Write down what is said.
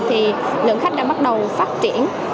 thì lượng khách đã bắt đầu phát triển